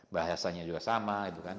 bahasanya juga sama